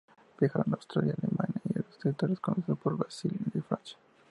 Viajaron a Austria, Alemania, y a los territorios conocidos por Vasile de Francia.